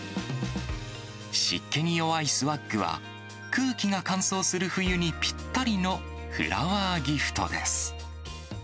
湿気に弱いスワッグは、空気が乾燥する冬にぴったりのフラワーギフトです。